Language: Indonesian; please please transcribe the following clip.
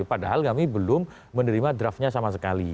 padahal kami belum menerima draftnya sama sekali